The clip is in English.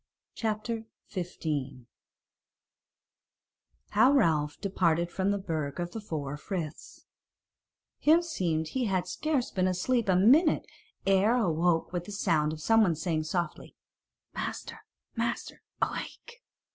CHAPTER 15 How Ralph Departed From the Burg of the Four Friths Himseemed he had scarce been asleep a minute ere awoke with a sound of someone saying softly, "Master, master, awake!"